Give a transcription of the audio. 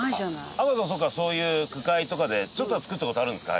阿川さんもそういう句会とかでちょっとは作った事あるんですか？